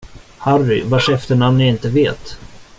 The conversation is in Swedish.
Harry, vars efternamn jag inte vet.